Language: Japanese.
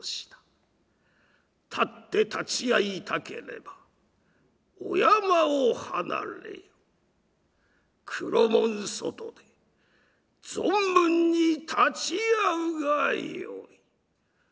たって立ち合いたければお山を離れ黒門外で存分に立ち合うがよい」。